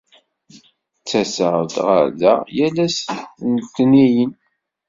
Ttaseɣ-d ɣer da yal ass n letnayen.